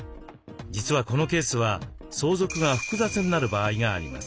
実はこのケースは相続が複雑になる場合があります。